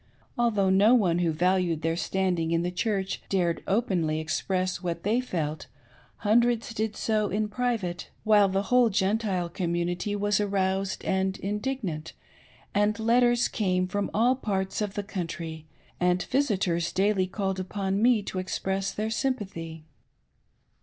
Although no one who valued their standing in the Church dared openly express what they felt, hundreds did so in private ; while the whole Gentile commu nity was aroused and indignant, and letters came from all parts of the country, and'^ visitors daily called upon me to express their sympathy.